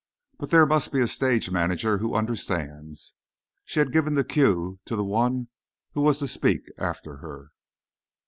But there must be a stage manager who understands. She had given the cue to the one who was to speak after her.